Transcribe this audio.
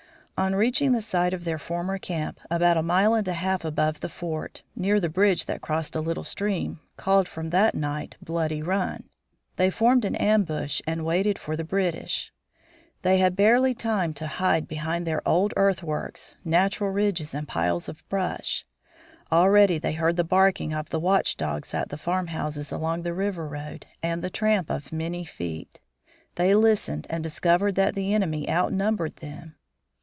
On reaching the site of their former camp, about a mile and a half above the fort, near the bridge that crossed a little stream, called from that night Bloody Run, they formed an ambush and waited for the British. They had barely time to hide behind their old earthworks, natural ridges and piles of brush. Already they heard the barking of watchdogs at the farmhouses along the river road, and the tramp of many feet. They listened and discovered that the enemy outnumbered them.